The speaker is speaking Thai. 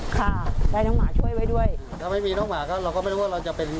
ค่ะได้น้องหมาช่วยไว้ด้วยถ้าไม่มีน้องหมาก็เราก็ไม่รู้ว่าเราจะเป็น